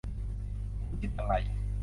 คุณคิดอย่างไร ?